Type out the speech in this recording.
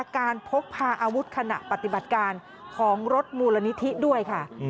พกพาอาวุธขณะปฏิบัติการของรถมูลนิธิด้วยค่ะ